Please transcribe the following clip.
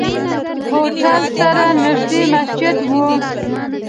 هوټل سره نزدې مسجد وو.